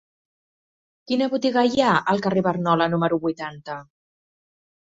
Quina botiga hi ha al carrer de Barnola número vuitanta?